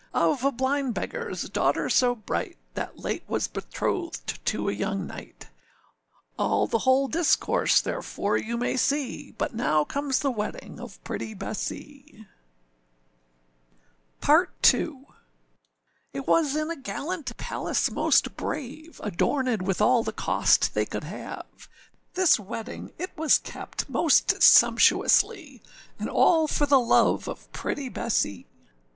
Of a blind beggarâs daughter so bright, That late was betrothed to a young knight, All the whole discourse therefore you may see; But now comes the wedding of pretty Bessee. PART II. It was in a gallant palace most brave, Adornèd with all the cost they could have, This wedding it was kept most sumptuously, And all for the love of pretty Bessee.